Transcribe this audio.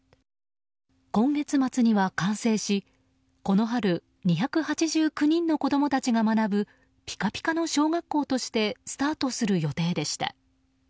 今月末には完成しこの春２８９人の子供たちが学ぶピカピカの小学校としてスタートする予定でした。